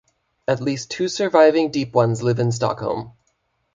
At least two surviving Deep Ones live in Stockholm.